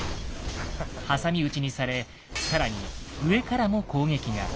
挟み撃ちにされ更に上からも攻撃が。